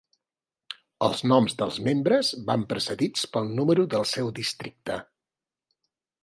Els noms dels membres van precedits pel número dels seu districte.